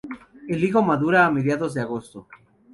El higo madura a mediados de agosto.